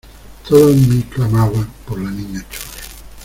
todo en mí clamaba por la Niña Chole.